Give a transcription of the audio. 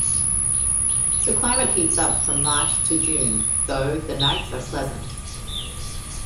The climate heats up from March to June, though the nights are pleasant.